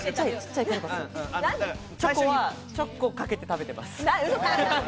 チョコは、チョコかけて食べてます。